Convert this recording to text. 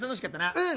うん。